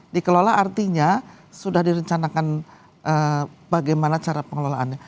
dikelola artinya sudah direncanakan bagaimana cara pengelolaannya